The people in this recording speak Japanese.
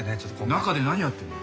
中で何やってんの？